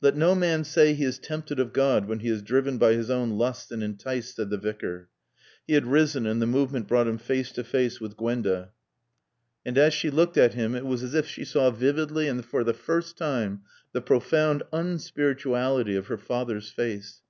"'Let no man say he is tempted of God when he is driven by his own lusts and enticed,'" said the Vicar. He had risen, and the movement brought him face to face with Gwenda. And as she looked at him it was as if she saw vividly and for the first time the profound unspirituality of her father's face.